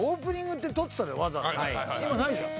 今ないじゃん。